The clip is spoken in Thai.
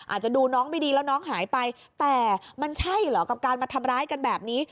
อาจจะดูน้องไม่ดีแล้วน้องหายไปแต่มันใช่เหรอกับการมาทำร้ายกันแบบนี้